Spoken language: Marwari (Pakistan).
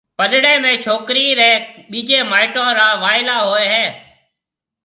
پڏݪيَ ۾ ڇوڪرِي رَي ٻيجيَ مائيٽون را وائلا ھوئيَ ھيََََ